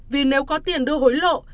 vì nếu có tiền đưa hối lộ